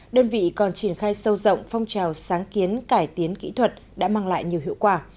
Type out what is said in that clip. đơn vị còn triển khai sâu rộng phong trào sáng kiến cải tiến kỹ thuật đã mang lại nhiều hiệu quả